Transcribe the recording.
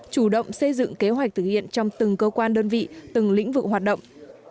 chủ động xây dựng kế hoạch thực hiện trong từng cơ quan đơn vị từng lĩnh vực hoạt động